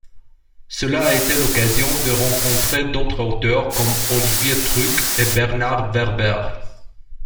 Cela a été l’occasion de rencontrer d’autres auteurs comme Olivier Truc et Bernard Werber.